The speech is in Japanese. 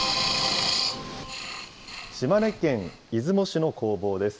島根県出雲市の工房です。